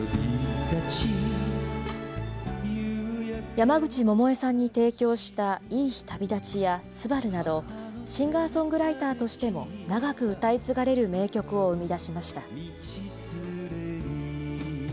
山口百恵さんに提供したいい日旅立ちや昴など、シンガーソングライターとしても長く歌い継がれる名曲を生み出しました。